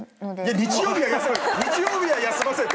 日曜日は休ませて！